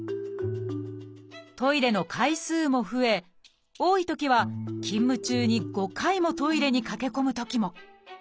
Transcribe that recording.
トイレの回数も増え多いときは勤務中に５回もトイレに駆け込むときも。